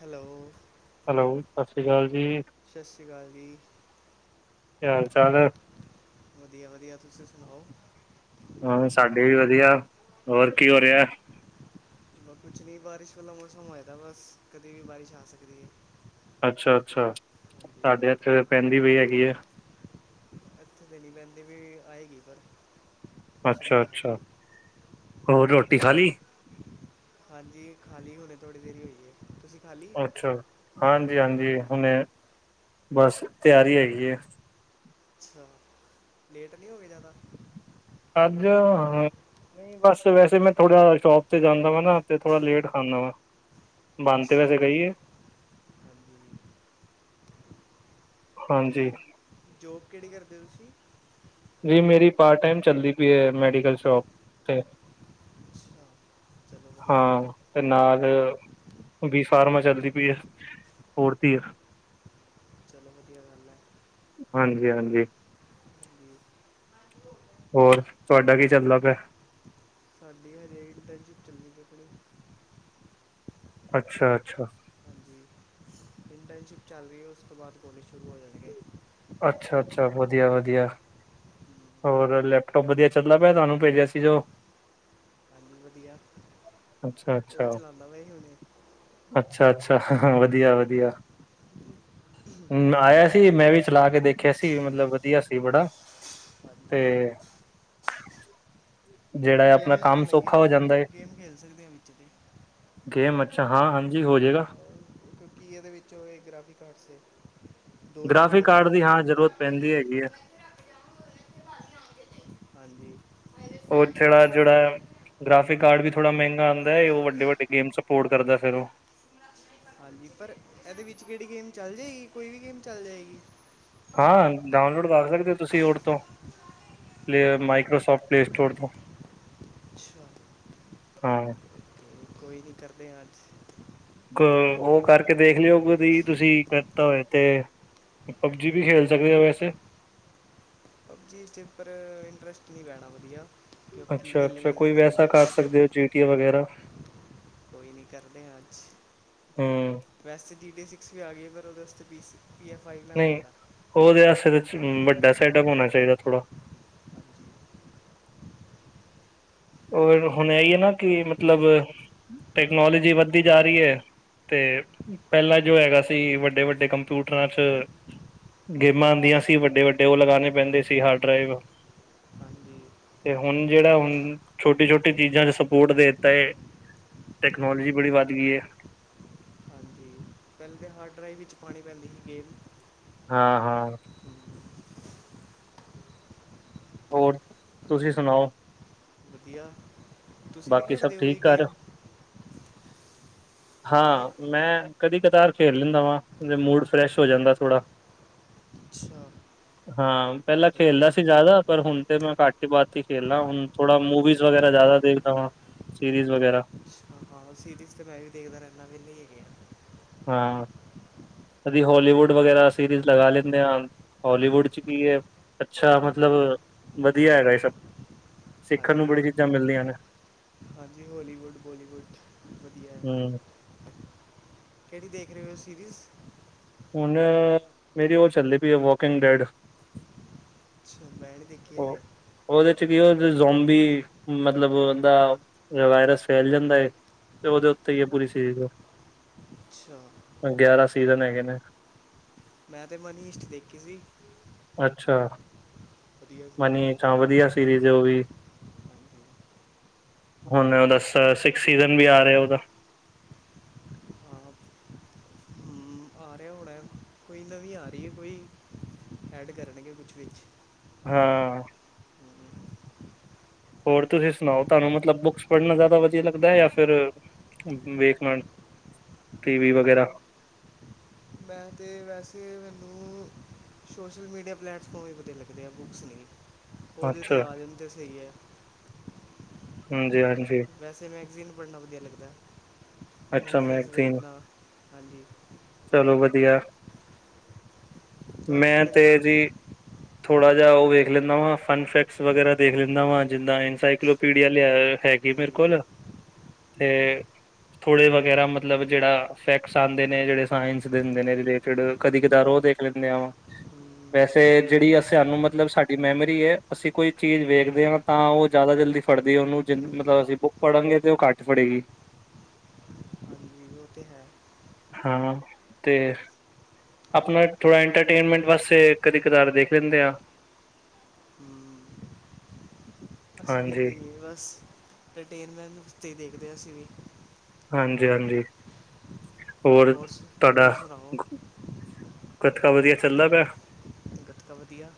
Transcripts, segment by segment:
Hello. Hello. ਸਤਿ ਸ਼੍ਰੀ ਅਕਾਲ ਜੀ। ਸਤਿ ਸ਼੍ਰੀ ਅਕਾਲ ਜੀ। ਕੀ ਹਾਲ ਚਾਲ ਹੈ। ਵਧੀਆ-ਵਧੀਆ ਤੁਸੀਂ ਸੁਣਾਓ। ਹਾਂ, ਸਾਡੇ ਵੀ ਵਧੀਆ, ਹੋਰ ਕੀ ਹੋ ਰਿਹਾ? ਬੱਸ ਕੁਛ ਨਹੀਂ ਬਾਰਿਸ਼ ਵਾਲਾ ਮੌਸਮ ਹੋਇਆ ਦਾ ਬਸ, ਕਦੇ ਵੀ ਬਾਰਿਸ਼ ਆ ਸਕਦੀ ਐ। ਅੱਛਾ-ਅੱਛਾ, ਸਾਡੇ ਐਥੇ ਤੇ ਪੈਂਦੀ ਪਈ ਹੈਗੀ ਐਂ। ਇੱਥੇ ਨਈ ਪੈਹਦੀ ਪਈ, ਆਏਗੀ ਪਰ ਮੌਸਮ ਤਾਂ ਹੈਗਾ ਅੱਛਾ-ਅੱਛਾ, ਹੀ। ਹੋਰ ਰੋਟੀ ਹਾਂਜੀ ਖਾਲੀ? ਹਾਂਜੀ, ਖਾਲੀ ਹੁਣੇ ਥੋੜ੍ਹੀ ਦੇਰ ਹੀ ਹੋਈਏ, ਤੁਸੀਂ ਖਾਲੀ ਅੱਛਾ। ਹਾਂਜੀ-ਹਾਂਜੀ, ਹੁਣੇ ਬਸ ਤਿਆਰੀ ਹੈਗੀ ਏ। ਅੱਛਾ, ਲੇਟ ਨਈ ਹੋ ਗਏ ਜ਼ਿਆਦਾ। ਅੱਜ ਨਹੀਂ ਬਸ ਵੈਸੇ ਮੈਂ ਥੋੜ੍ਹਾ ਸ਼ੋਪ ਤੇ ਜਾਂਦਾ ਵਾ ਨਾ, ਤੇ ਥੋੜਾ ਲੇਟ ਖਾਂਦਾ ਵਾ ਬਨ ਤੇ ਵੈਸੇ ਅੱਛਾ ਗਈ ਏ ਹਾਂਜੀ ਹਾਂਜੀ ਠੀਕ, ਜੋਬ ਕਿਹੜੀ ਕਰਦੇ ਹੋ ਤੁਸੀਂ? ਜੀ ਮੇਰੀ ਪਾਰਟ ਟਾਈਮ ਚੱਲਦੀ ਪਈ ਹੈ, ਮੈਡੀਕਲ ਸ਼ੋਪ ਤੇੇ- ਅੱਛਾ ਚਲੋ ਵਧੀਆ ਹਾਂ, ਤੇ ਨਾਲ ਵੀ ਫਾਰਮਾ ਚੱਲਦੀ ਪਈ ਏ ਹੋਰ ਤੀਰਥ ਚਲੋ ਵਧੀਆ ਗੱਲ ਹੈ ਹਾਂਜੀ- ਹਾਂਜੀ। ਹਾਂਜੀ ਹੋਰ, ਤੁਹਾਡਾ ਕੀ ਚੱਲਦਾ ਪਿਆ? ਸਾਡੀਆਂ ਰੇਟ ਤੇ ਨੀ ਚੱਲੀ [unintelligible] ਅੱਛਾ, ਅੱਛਾ। ਹਾਂਜੀ ਇੰਟਰਨਸ਼ਿਪ ਚੱਲ ਰਹੀ ਹੈ, ਉਸ ਤੋਂ ਬਾਅਦ ਕੋਲੇਜ ਸ਼ੁਰੂ ਹੋ ਜਾਣਗੇ। ਅੱਛਾ, ਅੱਛਾ ਵਧੀਆ, ਵਧੀਆ। ਹੋਰ ਲੈਪਟੋਪ ਵਧੀਆ ਚੱਲਦਾ ਪਿਆ, ਤੁਹਾਨੂੰ ਭੇਜਿਆ ਸੀ ਜੋ ਹਾਂਜੀ ਵਧੀਆ ਅੱਛਾ, ਉਹੀ ਅੱਛਾ। ਚਲਾਉਂਦਾ ਮੈਂ ਹੁਣੇ ਅੱਛਾ, ਅੱਛਾ ਹਾ ਹਾ, ਵਧੀਆ, ਵਧੀਆ। ਹੁ ਆਇਆ ਸੀ ਮੈਂ ਵੀ ਚਲਾ ਕੇ ਦੇਖਿਆ ਸੀ, ਮਤਲਬ ਵਧੀਆ ਸੀ ਬੜਾ ਤੇ ਹਾਂਜੀ ਜਿਹੜਾ ਹੈ, ਆਪਣਾ ਗੇਮਿੰਗ ਕੰਮ ਵਾਲਾ ਹੀ ਹੈ ਸੌਖਾ ਹੋ ਜਾਂਦਾ ਲੈਪਟੋਪ ਹੈ। ਗੇਮ ਖੇਲ ਸਕਦੇ ਹਾਂ ਵਿੱਚ ਤੇ ਗੇਮ, ਅੱਛਾ ਹਾਂ ਹਾਂਜੀ ਹੋ ਜਾਵੇਗਾ। ਕਿਉਂਕਿ ਇਹਦੇ ਵਿੱਚੋਂ ਇਹ ਗ੍ਰਾਫਿਕ ਕਾਰਡਸ ਦੇ, ਦੋ ਜੀ ਬੀ ਦਾ ਗ੍ਰਾਫਿਕ ਕਾਰਡ ਹੈ। ਹੁਦੀ ਹੈਗੀ ਆ ਹਾਂਜੀ। ਔ ਥੇ, ਉਹ ਜਿਹੜਾ ਐ ਗ੍ਰਾਫਿਕ ਕਾਰਡ ਵੀ ਥੋੜਾ ਮਹਿੰਗਾ ਆਉਂਦਾ ਹੈ, ਉਹ ਵੱਡੇ ਵੱਡੇ ਗੇਮ ਸਪੋਰਟ ਕਰਦਾ ਫਿਰ ਉਹ ਹਾਂਜੀ, ਪਰ ਇਹਦੇ ਵਿੱਚ ਕਿਹੜੀ ਗੇਮ ਚੱਲ ਜਾਏਗੀ, ਕੋਈ ਵੀ ਗੇਮ ਚੱਲ ਜਾਏਗੀ। ਹਾਂ ਡਾਊਨਲੋਡ ਕਰ ਸਕਦੇ ਹੋ, ਤੁਸੀਂ ਔਰ ਤੋਂ ਪਲੇ ਹਾਂ ਮਾਈਕ੍ਰੋਸੋਫਟ ਪਲੇ ਸਟੋਰ ਤੋਂ, ਅੱਛਾ ਹਾਂ ਤੇ ਕੋਈ ਨਹੀਂ ਕਰਦੇ ਹਾਂ, ਅੱਜ ਉਹ ਕਰਕੇ ਦੇਖ ਲਿਓ, ਕੀ ਤੁਸੀਂ ਕਰਤਾ ਹੋਏ ਤੇ ਪਬਜੀ ਵੀ ਖੇਲ ਸਕਦੇ ਹੋ ਵੈਸੇ ਪਬਜੀ ਇਸ ਦੇ ਉੱਪਰ ਇੰਟਰਸਟ ਨਹੀਂ ਪੈਣਾ ਵਧੀਆ। ਕਿਉਂਕਿ ਅੱਛਾ, ਖੇਲੀ ਅੱਛਾ ਨਹੀਂ ਨਾ ਕੋਈ ਕਦੀ ਵੈਸਾ ਕਰ ਸਕਦੇ ਹੋ ਜੀਟੀ ਵਗੈਰਾ। ਕੋਈ ਨਹੀਂ ਕਰਦੇ ਹਾਂ ਅੱਜ, ਹੂੰ ਵੈਸੇ ਡੀ ਡੇ ਸਿਕਸ ਵੀ ਆ ਗਏ ਪਰ ਉਹਦੇ ਵਾਸਤੇ ਪੀ ਸੀ ਪੀ ਐਫ ਆਈ ਲੈਣਾ ਨਹੀਂ ਪੈਣਾ। ਉਹਦੇ ਵਾਸਤੇ ਤਾਂ ਵੱਡਾ ਸੈਟਅਪ ਹੋਉਣਾ ਚਾਹੀਦਾ ਥੋੜਾ ਰ ਹੁਣ ਇਹੀ ਹੈ ਨਾ ਕਿ ਮਤਲਬ, ਟੈਕਨੋਲੋਜੀ ਵੱਧਦੀ ਜਾ ਰਹੀ ਹੈ। ਤੇ ਪਹਿਲਾਂ ਜੋ ਹੈਗਾ ਸੀ, ਵੱਡੇ ਵੱਡੇ ਕੰਪਿਊਟਰਾਂ 'ਚ ਗੇਮਾਂ ਆਉਂਦੀਆਂ ਸੀ, ਵੱਡੇ ਵੱਡੇ ਉਹ ਲਗਾਉਣੇ ਪੈਂਦੇ ਸੀ ਹਾਰਡ ਡਰਾਈਵ ਹਾਂਜੀ ਤੇ ਹੁਣ ਜਿਹੜਾ ਹੁਣ ਛੋਟੀ, ਛੋਟੀ ਚੀਜ਼ਾਂ ਸਪੋਰਟ ਦੇ ਤਾ ਐ, ਟੈਕਨੋਲੋਜੀ ਬੜੀ ਵੱਧ ਗਈ ਐ। ਹਾਂਜੀ। ਪਹਿਲੇ ਤਾਂ ਹਾਰਡ ਡਰਾਈਵ ਵਿੱਚ ਪਾਉਣੀ ਪੈਂਦੀ ਸੀ ਗੇਮ ਹਾਂ, ਹਾਂ ਹੋਰ ਤੁਸੀਂ ਸੁਣਾਓ? ਵਧੀਆ ਤੁਸੀਂ ਵੀ ਬਾਕੀ ਸਭ ਖੇਡਦੇ ਹੋ ਕੋਈ ਠੀਕ ਘਰ, ਗੇਮ ਹਾਂਜੀ ਹਾਂ ਮੈਂ ਕਦੀ ਕਤਾਰ ਖੇਲ ਲੈਂਦਾ ਵਾ, ਮੂਡ ਫਰੈਸ਼ ਹੋ ਜਾਂਦਾ ਥੋੜਾ। ਅੱਛਾ ਹਾਂ ਪਹਿਲਾਂ ਸਹੀ ਖੇਲਦਾ ਹੈ ਸੀ ਜ਼ਿਆਦਾ, ਪਰ ਹੁਣ ਤੇ ਮੈਂ ਘੱਟ ਹੀ ਬਾਤ ਹੀ ਖੇਲਣਾ ਹੁਣ ਥੋੜਾ ਮੂਵੀਜ਼ ਵਗੈਰਾ ਜ਼ਿਆਦਾ ਦੇਖਦਾ ਵਾਂ, ਸੀਰੀਜ਼ ਵਗੈਰਾ। ਅੱਛਾ ਹਾਂ ਸੀਰੀਜ਼ ਤੇ ਮੈਂ ਵੀ ਦੇਖਦਾ, ਰਹਿੰਦਾ ਵੀੇ ਹੀ ਹੈਗੇ ਆ। ਹਾਂ, ਕਦੀ ਹਲੀਵੁਡ ਵਗੈਰਾ ਸੀਰੀਜ਼ ਲਗਾ ਲ ਨੇ ਆ। ਹਲੀਵੁੱਡ ਚ ਕੀ ਹੈ, ਅੱਛਾ ਮਤਲਬ ਵਧੀਆ ਹੈਗਾ, ਇਹ ਸਭ ਸਿੱਖਣ ਨੂੰ ਬੜੀ ਚੀਜ਼ਾਂ ਮਿਲਦੀਆਂ ਨੇ ਹਾਂਜੀ-ਹਾਂਜੀ, ਹੋਲੀਵੁੱਡ-ਬੋਲੀਵੁੱਡ ਵਧੀਆ ਹੈ। ਹਮ ਕਿਹੜੀ ਦੇਖ ਰਹੇ ਹੋ ਸੀਰੀਜ਼ ਹੁਣ ਮੇਰੀ ਉਹ ਚੱਲਦੀ ਪਈ ਐ, ਵੋਕਿੰਗ ਡੈਡ। ਅੱਛਾ ਮੈਂਲੇ ਦੇਖ। [unintelligible] ਉਹਦੇ ਚ ਕੀ ਹੋ ਜ਼ੋਂਬੀ ਮਤਲਬ ਉਹਦਾ, ਵਾਇਰਸ ਫੈਲ ਜਾਂਦਾ ਹੈ। ਤੇ ਉਹਦੇ ਉੱਤੇ ਐ ਪੁਰੀ ਸੀਜ, ਅੱਛਾ, ਗਿਆਰਾਂ ਸੀਜ਼ਨ ਹੈਗੇ ਨੇ, ਮੈਂ ਤਾਂ ਮਨੀ ਹਿਸਟ ਦੇਖੀ ਸੀ। ਅੱਛਾ, ਵਧੀਆ, ਸੀ ਮਨੀ ਤਾਂ ਵਧੀਆ ਸੀਰੀਜ਼ ਉਹ ਵੀ ਹੁਣ ਉਹਦਾ ਸੀਕਸ ਸੀਜਨ ਵੀ ਆ ਰਿਹਾ, ਉਹਦਾ ਹਾਂ ਹਮ, ਆ ਰਿਹਾ ਹੋਣਾ ਕੋਈ ਨਵੀਂ ਆ ਰਹੀ ਹੈ, ਕੋਈ ਐਡ ਕਰਨਗੇ, ਕੁਛ ਵਿੱਚ ਹਾਂ, ਹੋਰ ਤੁਸੀਂ ਸੁਣਾਓ? ਤੁਹਾਨੂੰ ਮਤਲਬ ਬੁੱਕਸ ਪੜ੍ਹਨਾ ਜ਼ਿਆਦਾ ਵਧੀਆ ਲੱਗਦਾ ਹੈ, ਜਾਂ ਫਿਰ ਵੇਖ ਮ ਮੈਂ ਤਾਂ ਵੈਸੇ ਮੈਨੂੰ ਸ਼ੋਸ਼ਲ ਮੀਡੀਆ ਪਲੇੈਟਫਾਰਮ ਵੀ ਵਧੀਆ ਲੱਗਦੇ ਆ, ਬੁੱਕਸ ਨਹੀਂ ਉਹਦੇ ਅੱਛਾ 'ਤੇ ਆ ਜਾਣ ਤਾਂ ਸਹੀ ਹੈ। ਹਾਂਜੀ-ਹਾਂਜੀ, ਵੈਸੇ ਮੈਗਜ਼ੀਨ ਪੜ੍ਹਨਾ ਵਧੀਆ ਲੱਗਦਾ, ਅੱਛਾ ਮੈਗਜ਼ੀਨਸ ਮੈਗਜ਼ੀਨ ਵੇਖਣਾ ਹਾਂਜੀ। ਚਲੋ ਵਧੀਆ, ਤੁਹਾਨੂੰ ਕੀ ਮੈਂ ਤੇ ਲੱਗਦਾ ਜੀ, ਵਧੀਆ ਥੋੜਾ ਜਿਹਾ, ਉਹ ਵੇਖ ਲੈਂਦਾ ਵਾ ਫਨ ਫੈਕਸ ਵਗੈਰਾ ਦੇਖ ਲੈਂਦਾ, ਵਾ ਜਿੱਦਾਂ ਇਨਸਕਲ ਪੀੜੀਆਂ ਲਿਆ ਹੈਗੀ, ਮੇਰੇ ਹਾਂਜੀ ਕੋਲ ਤੇ ਥੋੜ੍ਹੇ ਵਗੈਰਾ ਮਤਲਬ ਜਿਹੜਾ ਫੈਕਟਸ ਆਂਦੇ ਨੇ, ਜਿਹੜੇ ਸਾਇੰਸ ਦਿੰਦੇ ਨੇ ਰਿਲੇਟਿਡ ਕਦੀ ਕਦਾਰ ਔ ਦੇ ਖਦੇ ਆ ਵਾਂ, ਹਮ, ਵੈਸੇ ਜਿਹੜੀ ਸਾਨੂੰ ਮਤਲਬ ਸਾਡੀ ਮੈਮੋਰੀ ਏ, ਅਸੀਂ ਕੋਈ ਚੀਜ਼ ਵੇਖਦੇ ਹਾਂ। ਤਾਂ ਉਹ ਜ਼ਿਆਦਾ ਜਲਦੀ ਫੜਦੀ, ਉਹਨੂੰ ਜਿੰ ਮਤਲਬ ਅਸੀਂ ਬੁੱਕ ਪੜ੍ਹਗੇ ਤੇ ਉਹ ਘੱਟ ਫੜੇਗੀ। ਨਹੀ ਔ ਤੇ ਹੈ। ਹਾਂ ਤੇ, ਆਪਣਾ ਥੋੜਾ ਇੰਟਰਟੇਨਮੈਂਟ ਵਾਸਤੇ ਕਦੇ ਕਦਾਰ ਦੇਖ ਲੈਂਦੇ ਆ। ਹਮ, [unintelligible] ਅਸੀਂ ਵੀ ਇੱਥ ਹੀ ਏ ਬਸ ਇੰਟਰਟੇਨਮੈਂਟ 'ਤੇ ਹੀ ਦੇਖਦੇ ਹਾਂ, ਅਸੀਂ ਵੀ ਹਾਂਜੀ-ਹਾਂਜੀ, ਹੋਰ ਸ- ਤੁਹਾਡਾ, ਹੋਰ ਸੁਣਾਓ ਕਤਕਾ ਵਧੀਆ ਚੱਲਦਾ ਪਿਆ? ਗੱਤਕਾ ਵਧੀਆ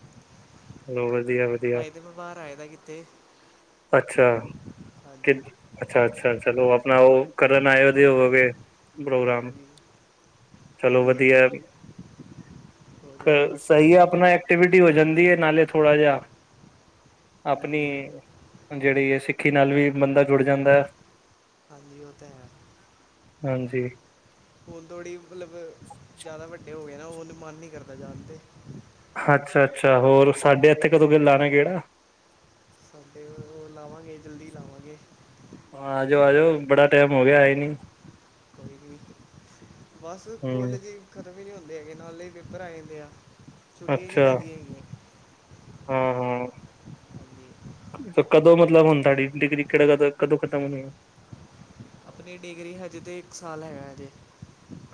ਚਲੋ ਵਧੀਆ ਵਧੀਆ ਅਏ ਤਾਂ ਮੈਂ ਬਾਹਰ ਆਏ ਦਾ ਕਿਤੇ, ਅੱਛਾ, ਕਿ ਹਾਂਜੀ ਅੱਛਾ-ਅੱਛਾ, ਚਲੋ ਆਪਣਾ ਉਹ ਕਰਨ ਆਏ, ਉਹਦੇ ਹੋ ਕੇ ਪ੍ਰੋਗਰਾਮ। ਹਾਂਜੀ ਚਲੋ ਹਾਂਜੀ ਵਧੀਆ ਹਾਂਜੀ ਹੋ ਜਾਏ ਬਸ ਸਹੀ ਸਟੱਡੀ ਹੈ ਆਪਣਾ, ਐਕਟੀਵਿਟੀ ਹੋ ਜਾਂਦੀ ਹੈ, ਨਾਲੇ ਥੋੜਾ ਜਿਹਾ ਆਪਣੀ ਹੂੰ ਜਿਹੜੀ ਹੈ ਸਿੱਖੀ ਨਾਲ ਵੀ ਬੰਦਾ ਜੁੜ ਜਾਂਦਾ ਹੈ। ਹਾਜੀ ਹੋ ਤੇ ਹੈ, ਹਾਂਜੀ, ਹੁਣ ਤੋੜੀ ਮਤਲਬ ਜ਼ਿਆਦਾ ਵੱਡੇ ਹੋ ਗਏ ਨਾ, ਉਹਣ ਮਨ ਨਹੀਂ ਕਰਦਾ ਜਾਣ ਤੇ, ਅੱਛਾ-ਅੱਛਾ, ਹੋਰ ਸਾਡੇ ਇੱਥੇ ਕਦੋਂ ਕਿਲਾ ਨੇ ਕਿਹੜਾ? ਅਤੇ ਉਹ ਲਾਵਾਂਗੇ ਜਲਦੀ ਲਾਵਾਂਗੇ। ਆ ਜਾਓ, ਆ ਜਾਓ ਬੜਾ ਟਾਈਮ ਹੋ ਗਿਆ ਆਏ ਨਹੀਂ ਕੋਈ ਬਸ ਹਮ ਕਾਲਜ ਹੀ ਖਤਮ ਹੀ ਨਹੀਂ ਹੁੰਦੇ ਹੈਗੇ, ਨਾਲੇ ਹੀ ਪੇਪਰ ਆ ਜਾਂਦੇ ਆ ਛੁੱਟੀਆਂ ਹੀ ਨਹੀਂ ਅੱਛਾ, ਪੈਂਦੀਆਂ ਹੈਗੀਆਂ ਹਾਂ -ਹਾਂ ਹਾਂਜੀ ਕਦੋਂ ਮਤਲਬ ਹੁਣ ਤੁਹਾਡੀ ਡਿਗਰੀ ਕਿਹੜਾ ਕ ਕਦੋਂ ਖਤਮ ਹੋਣੀ ਆ ਆਪਣੀ ਡਿਗਰੀ ਹਜੇ ਤਾਂ ਇੱਕ ਸਾਲ ਹੈਗਾ ਹਜੇ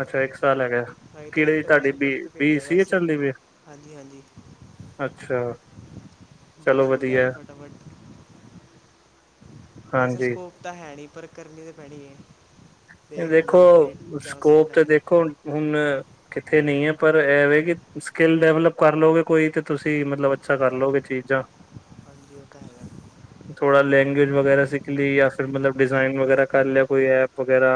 ਅੱਛਾ ਇੱਕ ਸਾਲ ਹੈਗਾ, ਹਾਂਜੀ ਅਤੇ ਕਿਹੜੇ ਤੁਹਾਡੀ ਇੰਟਰਨਸ਼ਿਪ ਬੀ ਵਾਸਤੇ ਬੀ ਭੇਜਿਆ ਸੀ ਏ ਵੈਸੇ ਹੀ ਚੱਲਦੀ ਵੀ ਹਾਂਜੀ- ਹਾਂਜੀ ਅੱਛਾ ਚਲੋ ਬਸ ਹੋ ਜਾਏ ਵਧੀਆ ਫਟਾਫਟ ਵੈਸੇ ਹਾਂਜੀ ਸਕੋਪ ਤਾਂ ਹੈ ਨਹੀਂ, ਪਰ ਕਰਨੀ ਤਾਂ ਪੈਣੀ ਹੈ ਦੇਖ ਲੈਂਦੇ ਦੇਖੋ ਹਾਂ ਇੱਕ ਵਾਰੀ ਚਾਂਸ ਸਕੋਪ ਲੈ ਤੇ ਕੇ ਦੇਖੋ ਹੁਣ ਕਿੱਥੇ ਨਹੀਂ ਹੈ ਪਰ ਐਵੇਂ ਕਿ ਸਕਿੱਲ ਡਿਵਲਪ ਕਰ ਲਓਗੇ ਕੋਈ ਤੇ ਤੁਸੀਂ ਮਤਲਬ ਅੱਛਾ ਕਰ ਲਓਗੇ ਚੀਜ਼ਾਂ [inaudible] ਹਾਂਜੀ ਉਹ ਤਾਂ ਹੈ ਥੋੜਾ ਲੈਂਗੁਏਜ ਵਗੈਰਾ ਸਿੱਖ ਲਈ ਯ ਫਿਰ ਮਤਲਬ ਡਿਜ਼ਾਇਾਈਨ ਵਗੈਰਾ ਕਰ ਲਿਆ ਕੋਈ ਐਪ ਵਗੈਰਾ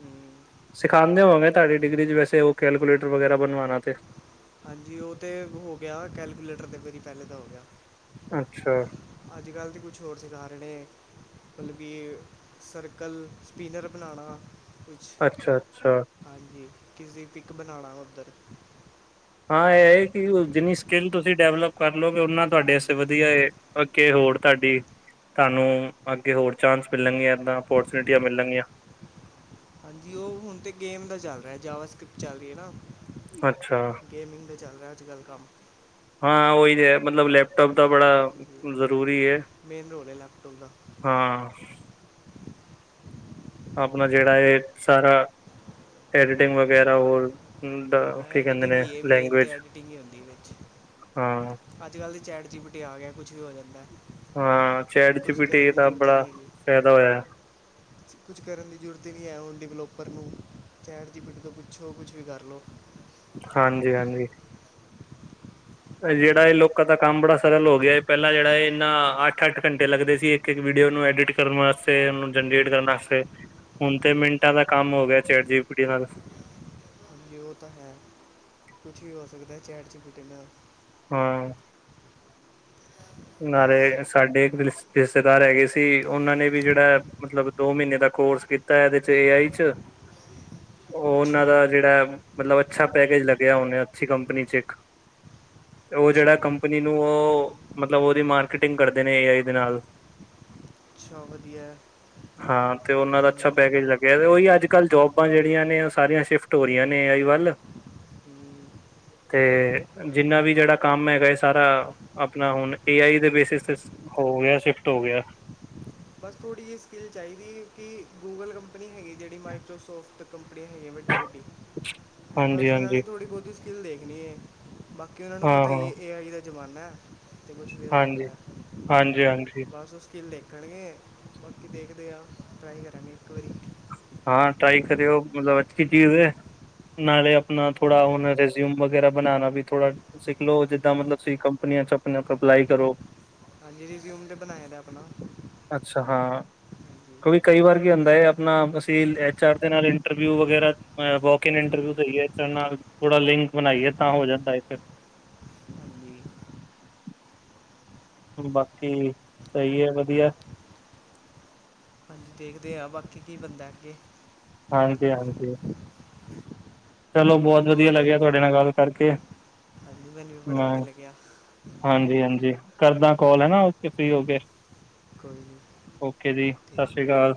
ਹੂੰ ਸਿਖਾਉਦੇ ਹੋਵਾਂਗੇ ਤੁਹਾਡੀ ਡਿਗਰੀ ਚ ਵੈਸੇ ਉਹ ਕੈਲਕੂਲੇਟਰ ਵਗੈਰਾ ਬਣਵਾਣਾ ਤੇ ਹਾਂਜੀ ਉਹ ਤਾਂ ਹੋ ਗਿਆ, ਕੈਲਕੂਲੇਟਰ 'ਤੇ ਵਰੀ ਪਹਿਲੇ ਦਾ ਹੋ ਗਿਆ ਅੱਛਾ ਅੱਜ ਕੱਲ੍ਹ ਤਾਂ ਕੁਛ ਹੋਰ ਸਿਖਾ ਰਹੇ ਨੇ ਸਰਕਲ ਸਪਿਨਰ ਬਣਾਉਣਾ ਕੁਛ ਅੱਛਾ- ਅੱਛਾ ਹਾਂਜੀ ਕਿਸੀ ਪਿਕ ਬਣਾਉਣਾ ਉੱਧਰ ਹਾਂ ਇਹ ਹੈ ਕਿ ਜਿੰਨੀ ਸਕਿੱਲ ਤੁਸੀਂ ਡਿਵਲਪ ਕਰ ਲਓਗੇ ਓਨਾ ਤੁਹਾਡੇ ਵਾਸਤੇ ਹਾਂਜੀ ਵਧੀਆ ਹੈ ਓਕੇ ਹੋਰ ਤੁਹਾਡੀ ਤੁਹਾਨੂੰ ਅੱਗੇ ਹੋਰ ਚਾਂਸ ਮਿਲਣਗੀਆਂ, ਇੱਦਾਂ ਅਪੋਰਚੁਨਿਟੀਆਂ ਮਿਲਣਗੀਆਂ ਹਾਂਜੀ ਉਹ ਹੁਣ ਤੇ ਗੇਮ ਦਾ ਚੱਲ ਰਿਹਾ ਜਾਵਾ ਸਕ੍ਰਿਪਟ ਚੱਲ ਰਹੀ ਹੈ ਨਾ ਅੱਛਾ ਗੇਮਿੰਗ ਤੇ ਚੱਲ ਰਿਹਾ ਅੱਜ- ਕੱਲ੍ਹ ਕੰਮ ਹਾਂ ਉਹੀ ਹੈ ਮਤਲਬ ਲੈਪਟੋਪ ਦਾ ਬੜਾ ਹਾਂਜੀ ਜ਼ਰੂਰੀ ਹੈ ਮੇਨ ਰੋਲ ਹੈ ਲੈਪਟੋਪ ਦਾ ਹਾਂ ਆਪਣਾ ਜਿਹੜਾ ਹੈ ਸਾਰਾ ਐਡੀਟਿੰਗ ਵਗੈਰਾ ਹੋਰ ਦਾ ਹਾਂ ਕਹਿੰਦੇ ਐਡੀਿਟਿੰਗ ਨੇ ਕੀ ਹੈ ਮੇਨ ਤਾਂ ਲੈਂਗੁਏਜ ਐਡੀਿਟਿੰਗ ਹੀ ਹੁੰਦੀ ਵਿੱਚ ਹਾਂ ਅੱਜ ਕੱਲ੍ਹ ਦੇ ਚੈਟ ਜੀਬਟੀ ਆ ਗਿਆ ਕੁਛ ਵੀ ਹੋ ਜਾਂਦਾ ਹਾਂ ਚੈਟ ਕੁਛ ਜੀਬੀਟੀ ਕਰਨ ਦਾ ਬੜਾ ਫਾਇਦਾ ਹੋਇਆ ਕੁਝ ਕਰਨ ਦੀ ਜ਼ਰੂਰਤ ਹੀ ਨਹੀਂ ਹੈ ਹੁਣ ਡਿਵਲੋਪਰ ਨੂੰ ਚੈਟ ਜੀਬੀਟੀ ਤੋਂ ਪੁੱਛੋ, ਕੁਛ ਵੀ ਕਰ ਲਓ ਹਾਂਜੀ- ਹਾਂਜੀ ਜਿਹੜਾ ਇਹ ਹਾਂਜੀ ਲੋਕਾਂ ਦਾ ਕੰਮ ਬੜਾ ਸਰਲ ਹੋ ਗਿਆ ਹੈ ਪਹਿਲਾਂ ਜਿਹੜਾ ਇਹ ਇੰਨਾਂ ਅੱਠ- ਅੱਠ ਘੰਟੇ ਲੱਗਦੇ ਸੀ ਇੱਕ- ਇੱਕ ਵੀਡੀਓ ਨੂੰ ਐਡਿਟ ਕਰਨ ਵਾਸਤੇ ਉਹਨੂੰ ਜਨਰੇਟ ਕਰਨ ਵਾਸਤੇ ਤੇ ਹੁਣ ਤੇ ਹਾਂਜੀ ਮਿੰਟਾਂ ਦਾ ਕੰਮ ਹੋ ਗਿਆ ਚੈਟ ਜੀਬੀਟੀ ਨਾਲ ਹਾਂਜੀ ਉਹ ਤਾਂ ਹੈ, ਕੁਛ ਵੀ ਹੋ ਸਕਦਾ ਚੈਟ ਜੀਬੀਟੀ ਨਾਲ ਹਾਂ, ਨਾਲੇ ਸਾਡੇ ਇੱਕ ਰਿਸ਼ਤੇਦਾਰ ਹੈਗੇ ਸੀ, ਉਹਨਾਂ ਨੇ ਵੀ ਜਿਹੜਾ ਮਤਲਬ, ਦੋ ਮਹੀਨੇ ਦਾ ਕੋਰਸ ਕੀਤਾ, ਇਹਦੇ ਚ ਏ ਆਈ ਚ, ਅੱਛਾ ਉਹਨਾਂ ਦਾ ਜਿਹੜਾ ਮਤਲਬ ਅੱਛਾ ਪੈਕੇਜ ਲਗਿਆ, ਉਹਨੇ ਅੱਛੀ ਕੰਪਨੀ ਚ ਇੱਕ ਤੇ ਉਹ ਅੱਛਾ ਜਿਹੜਾ ਕੰਪਨੀ ਨੂੰ ਉਹ ਹਮ, ਮਤਲਬ ਉਹਦੀ ਮਾਰਕੀਟਿੰਗ ਕਰਦੇ ਨੇ ਏ ਆਈ ਦੇ ਨਾਲ। ਅੱਛਾ ਵਧੀਆ ਹੈ। ਹਾਂ, ਤੇ ਉਹਨਾਂ ਦਾ ਅੱਛਾ ਹਮ, ਪੈਜ ਲੱਗਿਆ ਤੇ ਉਹੀ ਅੱਜ-ਕੱਲ੍ਹ ਜੋਬਾਂ ਜਿਹੜੀਆਂ ਨੇ ਉਹ ਸਾਰੀਆਂ ਸ਼ਿਫਟ ਹੋ ਰਹੀਆਂ ਨੇ ਏ ਆਈ ਵੱਲ। ਹਮ। ਤੇ ਜਿੰਨਾ ਵੀ ਜਿਹੜਾ ਕੰਮ ਹੈਗਾ ਹੈ ਸਾਰਾ ਮੈ ਹੁਣ ਏ ਆਈ ਦੇ ਬੇਸਿਸ ਤੇ ਹੋ ਗਿਆ, ਸਿਫਟ ਹੋ ਗਿਆ। ਬਸ ਥੋੜ੍ਹੀ ਜਹੀ ਸਕਿੱਲ ਚਾਹੀਦੀ, ਕਿ ਗੂਗਲ ਕੰਪਨੀ ਹੈਗੀ ਜਿਹੜੀ ਮਾਈਕਰੋਸੋਫਟ ਤੇ ਕੰਪਨੀਆਂ ਹੈਗੀਆਂ ਵੱਡੀ -ਵੱਡੀ, ਹੈਂ ਹਾਂਜੀ ਬਸ ਉਹਨਾਂ ਨੇ ਹਾਂਜੀ ਥੋੜ੍ਹੀ ਬਹੁਤੀ ਸਕਿੱਲ ਦੇਖਣੀ ਹੈ, ਬਾਕੀ ਉਹਨਾਂ ਨੂੰ ਹਾਂ ਪਤਾ ਹੀ ਹਾਂ ਇਹਏ ਆਈ ਦਾ ਜ਼ਮਾਨਾ ਤੇ ਕੁਛ ਵੀ ਹੋ ਹਾਂਜੀ ਸਕਦਾ, ਹਾਂਜੀ ਹਾਂਜੀ ਬਸ ਸਕਿਲ ਦੇਖਣਗੇ। ਬਾਕੀ ਦੇਖਦੇ ਹਾਂ, ਟਰਾਈ ਕਰਾਂਗੇ ਇੱਕ ਵਾਰੀ। ਹਾਂ, ਟਰਾਈ ਕਰਿਓ, ਮਤਲਬ ਅੱਛੀ ਚੀਜ਼ ਹੈ। ਨਾਲੇ ਆਪਣਾ ਥੋੜਾ ਹੁਣ ਰਿਜ਼ਿਊਮ ਵਗੈਰਾ ਬਣਾਣਾ ਵੀ ਥੋੜਾ ਸਿੱਖ ਲਓ ਜਿੱਦਾਂ ਹਾਂਜੀ ਮਤਲਬ ਤੁਸੀਂ ਕੰਪਨੀਆਂ ਚ ਆਪਣੇ- ਆਪ ਅਪਲਾਈ ਕਰੋ। ਹਾਂਜੀ, ਰਜਿਊਮ ਤੇ ਬਣਾਇਆ ਆਪਣਾ ਅੱਛਾ-ਹਾਂ, ਹਾਂਜੀ ਉਹ ਵੀ ਕਈ ਵਾਰ ਕੀ ਆਉਂਦਾ ਹੈ ਆਪਣਾ ਬ ਐਚ ਆਰ ਦੇ ਨਾਲ ਇੰਟਰਵਿਊ ਵਗੈਰਾ ਵਾਕਿਗ ਇੰਟਰਵਿਊ ਦੇਈਏ ਨਾਲ ਥੋੜਾ ਲਿੰਕ ਬਣਾਈਏ ਤਾਂ ਹੋ ਜਾਂਦਾ ਹੈ ਫਿਰ ਹਾਂਜੀ ਬਾਕੀ ਸਹੀ ਹੈ ਵਧੀਆ। ਦੇਖਦੇ ਹਾਂ ਬਾਕੀ ਕੀ ਬੰਦਾ ਅੱਗੇ। ਹਾਂਜੀ-ਹਾਂਜੀ। ਚਲੋ, ਬਹੁਤ ਵਧੀਆ ਔਰ ਲੱਗਿਆ, ਤੁਹਾਡੇ ਨਾਲ ਗੱਲ ਕਰਕੇ ਹਾਂਜੀ ਮੈਨੂੰ ਵੀ ਬੜਾ ਬਾਏ। ਵਧੀਆ ਲੱਗਿਆ ਹਾਂਜੀ-ਹਾਂਜੀ, ਕਰਦਾ ਕੋਲ ਹੈਨਾ ਉਠਕੇ ਫਰੀ ਹੋਕੇ। ਕੋਈ ਨੀ। ਓਕੇ ਜੀ, ਸਤਿ ਸ਼੍ਰੀ ਅਕਾਲ।